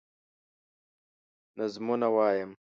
نظمونه وايم